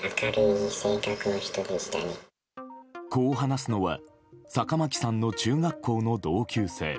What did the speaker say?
こう話すのは坂巻さんの中学校の同級生。